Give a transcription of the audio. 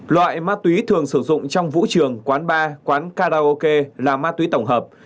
loại ma túy thường sử dụng trong vũ trường quán bar quán karaoke là ma túy tổng hợp